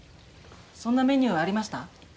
そんなメニューありました？